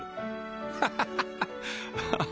ハハハハ！